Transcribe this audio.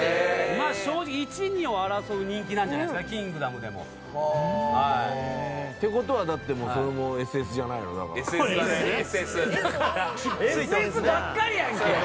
まあ正直一二を争う人気なんじゃないですかね『キングダム』でも。って事はだってそれもＳＳばっかりやんけ！